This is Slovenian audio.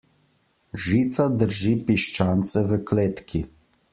Žica drži piščance v kletki.